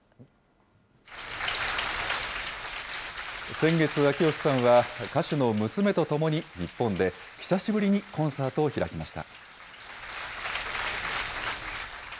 先月、秋吉さんは、歌手の娘と共に、日本で久しぶりにコンサートを開きました。